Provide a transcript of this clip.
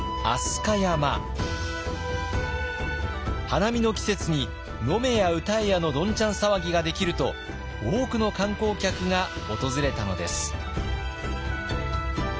花見の季節に飲めや歌えやのどんちゃん騒ぎができると多くの観光客が訪れたのです。